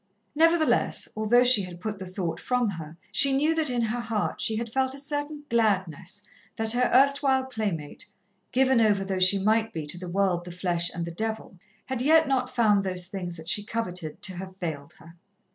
Nevertheless, although she had put the thought from her, she knew that in her heart she had felt a certain gladness that her erstwhile playmate, given over though she might be to the world, the flesh and the Devil, had yet not found those things that she coveted to have failed her.